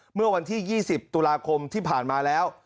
เมื่อวันที่๒๐ตุลาคมที่ผ่านมาแล้ว